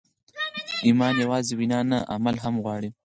ایمان یوازې وینا نه، عمل هم غواړي.